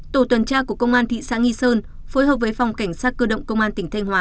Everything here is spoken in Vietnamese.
tổ tuần tra của công an thị xã nghi sơn phối hợp với phòng cảnh sát cơ động công an tỉnh thanh hóa